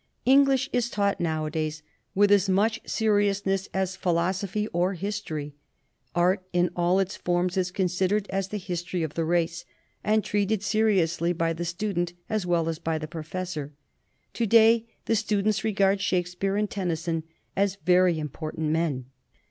English is taught nowadays with as much seriousness as philosophy or history. Art in all its forms is con sidered as the history of the race, and treated seriously by the student as well as by the pro fessor. To day the students regard Shakespeare and Tennyson as very important men.